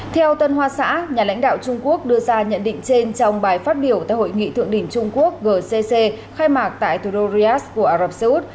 theo tân hoa xã nhà lãnh đạo trung quốc đưa ra nhận định trên trong bài phát biểu tại hội nghị thượng đỉnh trung quốc gcc khai mạc tại thủ đô riyadh của ả rập xê út